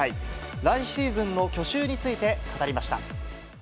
来シーズンの去就について語りました。